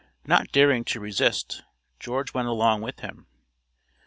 Not daring to resist, George went along with him.